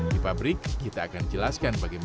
di pabrik kita akan jelaskan bagaimana